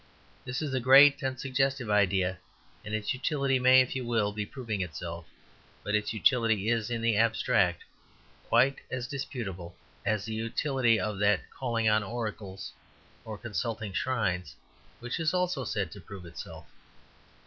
This is a great and suggestive idea, and its utility may, if you will, be proving itself, but its utility is, in the abstract, quite as disputable as the utility of that calling on oracles or consulting shrines which is also said to prove itself.